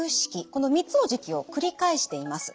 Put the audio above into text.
この３つの時期を繰り返しています。